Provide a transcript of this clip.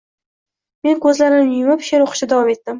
Men ko`zlarimni yumib she`r o`qishda davom etdim